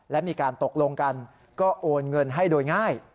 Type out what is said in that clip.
และมีการตกลงกันก็โอนเงินให้โดยง่าย